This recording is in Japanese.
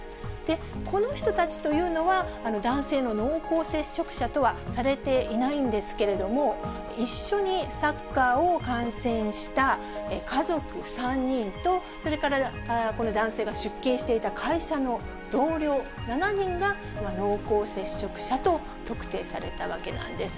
この人たちというのは、男性の濃厚接触者とはされていないんですけれども、一緒にサッカーを観戦した家族３人と、それからこの男性が出勤していた会社の同僚７人が、濃厚接触者と特定されたわけなんです。